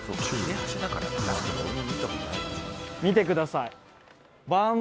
見てください。